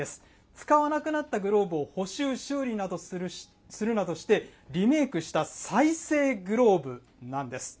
使わなくなったグローブを補修、修理するなどしてリメークした再生グローブなんです。